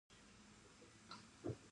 پښتو کتابونه باید چاپ سي.